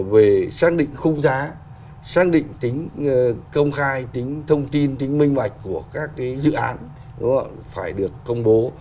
để xác định không giá xác định tính công khai tính thông tin tính minh mạch của các cái dự án phải được công bố